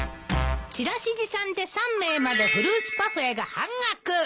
チラシ持参で３名までフルーツパフェが半額！